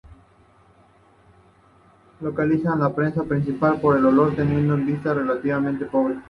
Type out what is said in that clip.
Localizan a la presa principalmente por el olor, teniendo una vista relativamente pobre.